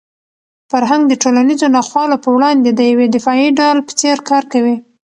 فرهنګ د ټولنیزو ناخوالو په وړاندې د یوې دفاعي ډال په څېر کار کوي.